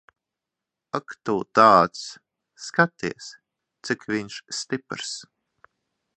Ak tu tāds. Skaties, cik viņš stiprs.